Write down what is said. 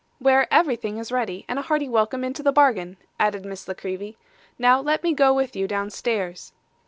' Where everything is ready, and a hearty welcome into the bargain,' added Miss La Creevy. 'Now, let me go with you downstairs.